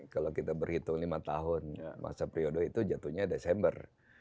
kalau kita berhitung lima tahun masa priodo itu jatuhnya desember dua ribu dua puluh empat